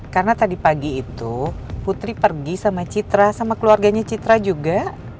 karena tadi pagi itu putri pergi sama citra sama keluarganya citra juga